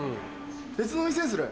別の店にする？